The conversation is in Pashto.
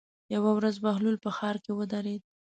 یوه ورځ بهلول په ښار کې ودرېد.